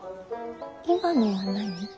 今のは何。